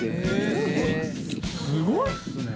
すごいっすね！